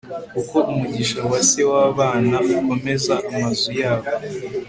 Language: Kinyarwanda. kuko umugisha wa se w'abana ukomeza amazu yabo